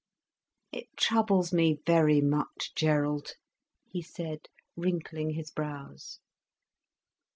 "It troubles me very much, Gerald," he said, wrinkling his brows.